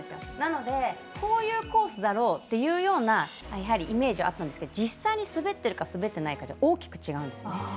なのでこういうコースだろうというようなイメージがあったんですが実際に滑ったか滑ってないかだと大きく違うんですね。